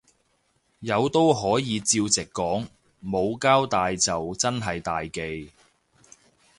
有都可以照直講，冇交帶就真係大忌